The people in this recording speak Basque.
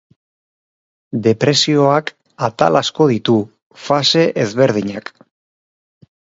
Depresioak atal asko ditu, fase ezberdinak.